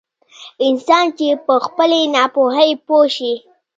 انسان چې په خپلې ناپوهي پوه شي.